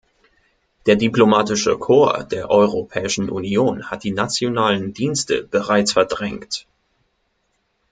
Der diplomatische Korps der Europäischen Union hat die nationalen Dienste bereits verdrängt.